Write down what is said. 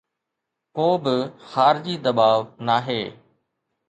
ڪوبه خارجي دٻاءُ ناهي.